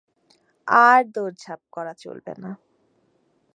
আর দৌড়ঝাঁপ করা চলবে না।